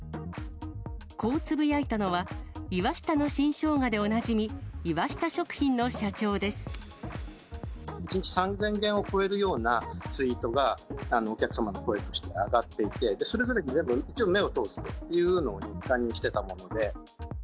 こうつぶやいたのは、岩下の新生姜でおなじみ、１日３０００件を超えるようなツイートが、お客様の声として上がっていて、それぞれに一応、目を通すというのを日課にしてたもんで。